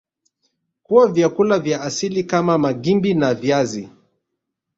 Kuna vyakula vya asili kama Magimbi na viazi